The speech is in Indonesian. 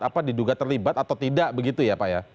apa diduga terlibat atau tidak begitu ya pak ya